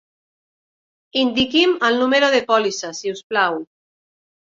Indiqui'm el número de pòlissa, si us plau.